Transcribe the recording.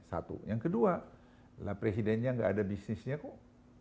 satu yang kedua lah presidennya gak ada bisnisnya kok